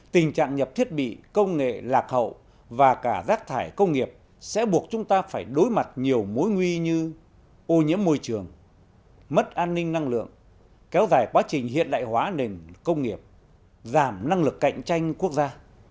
tình trạng nhập thiết bị công nghệ lạc hậu và cả rác thải công nghiệp sẽ buộc chúng ta phải đối mặt nhiều mối nguy như ô nhiễm môi trường mất an ninh năng lượng kéo dài quá trình hiện đại hóa nền công nghiệp giảm năng lực cạnh tranh quốc gia